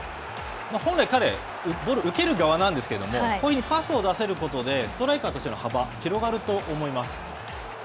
本来、彼、ボールを受ける側なんですけれども、こういうふうにパスを出せることで、ストライカーとしての幅が広がると思います。